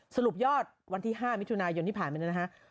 สรุปยอดวันที่๕มิถุนายนที่ผ่านมาเนี่ยนะฮะ